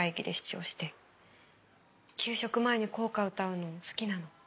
給食前に校歌歌うの好きなの？